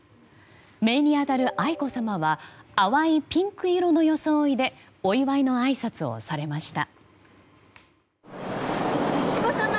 めいにあたる愛子さまは淡いピンク色の装いでお祝いのあいさつをされました。